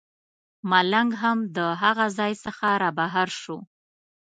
ملنګ هم د هغه ځای څخه رابهر شو.